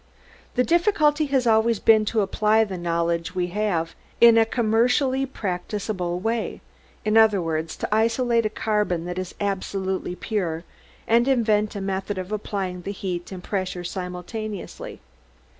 The difficulty has always been to apply the knowledge we have in a commercially practicable way in other words, to isolate a carbon that is absolutely pure, and invent a method of applying the heat and pressure simultaneously.